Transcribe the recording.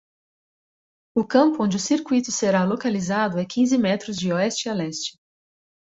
O campo onde o circuito será localizado é quinze metros de oeste a leste.